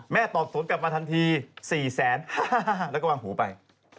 ตอบสวนกลับมาทันที๔๕๐๐แล้วก็วางหูไป